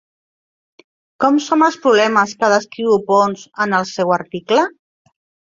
Com són els problemes que descriu Pons en el seu article?